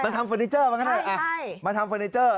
มาทำเฟอร์นิเจอร์มาทำเฟอร์นิเจอร์